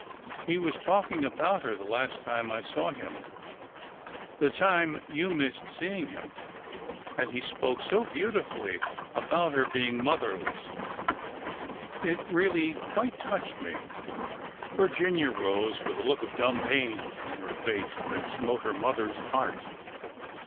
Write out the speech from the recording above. He was talking about her the last time I saw him, — the time you missed seeing him,— and he spoke so beau FIGHTING WITHOUT 257 tifully about her being motherless. It really quite touched me/' Virginia rose with a look of dumb pain in her face that smote her mother's heart.